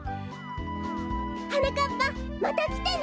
はなかっぱまたきてね！